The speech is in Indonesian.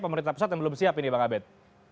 pemerintah pusat yang belum siap ini bang abed